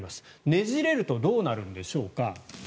ねじれるとどうなるんでしょうか。